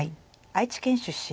愛知県出身。